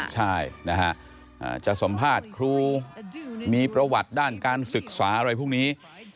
ใช่นะฮะจะสัมภาษณ์ครูมีประวัติด้านการศึกษาอะไรพวกนี้